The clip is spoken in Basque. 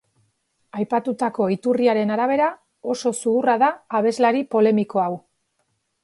Aipatutako iturriaren arabera, oso zuhurra da abeslari polemiko hau.